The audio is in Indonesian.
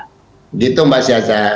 begitu mbak syahsa